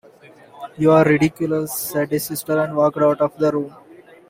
“You are ridiculous,” said his sister, and walked out of the room.